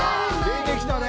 出てきたね！